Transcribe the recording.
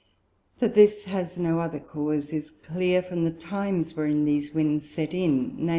That this has no other Cause, is clear from the times wherein these Winds set in, _viz.